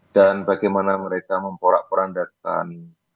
dan bagaimana mereka memporak porandakan